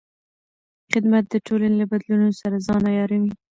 خدمت د ټولنې له بدلونونو سره ځان عیاروي.